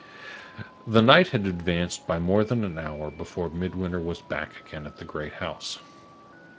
The night had advanced by more than an hour before Midwinter was back again at the great house.